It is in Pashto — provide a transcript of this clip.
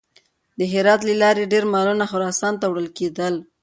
د هرات له لارې ډېر مالونه خراسان ته وړل کېدل.